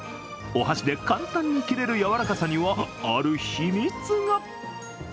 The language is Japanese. お箸で簡単に切れるやわらかさには、ある秘密が。